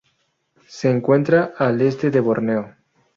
Se encuentra al este de Borneo.